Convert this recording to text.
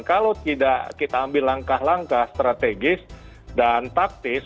kalau tidak kita ambil langkah langkah strategis dan taktis